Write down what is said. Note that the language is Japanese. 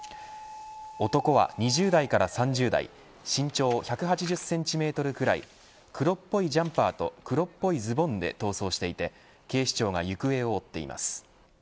男は２０代から３０代身長１８０センチメートルくらい黒っぽいジャンパーと黒っぽいズボンで逃走していて警視庁が行方を追っています。